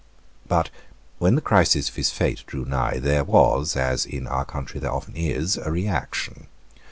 But, when the crisis of his fate drew nigh, there was, as in our country there often is, a reaction.